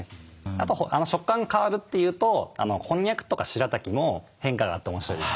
あと食感が変わるっていうとこんにゃくとかしらたきも変化があって面白いですね。